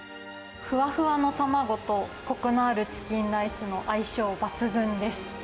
ふわふわの卵と、こくのあるチキンライスの相性抜群です。